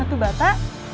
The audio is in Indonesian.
tuh tuh bata